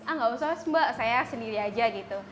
ah gak usah mas mbak saya sendiri aja gitu